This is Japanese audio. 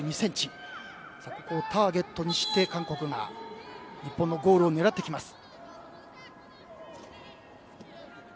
ここをターゲットに韓国が日本ゴールを狙ってきます。